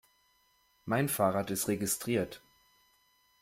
Mein Fahrrad ist registriert.